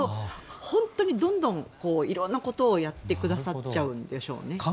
本当にどんどん色んなことをやってくださっちゃうんですよね。